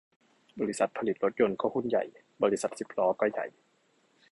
บริษัทผลิตรถยนต์ก็หุ้นใหญ่ บริษัทสิบล้อก็ใหญ่